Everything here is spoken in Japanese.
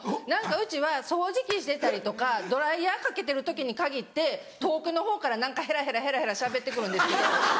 何かうちは掃除機してたりとかドライヤーかけてる時に限って遠くのほうから何かヘラヘラしゃべって来るんですけど。